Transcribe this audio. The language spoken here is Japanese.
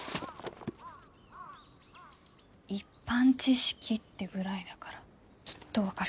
一般知識ってぐらいだからきっと分かる。